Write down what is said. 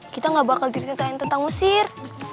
kita gak bakal ceritain tentang mesir